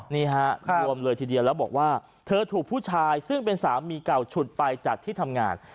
นี่ฮะรวมเลยทีเดียวแล้วบอกว่าเธอถูกผู้ชายซึ่งเป็นสามีเก่าฉุดไปจากที่ทำงาน